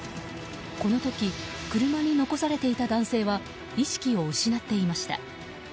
この時、車に残されていた男性は意識を失っていました。